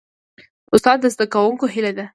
استاد د زدهکوونکو هیله ده.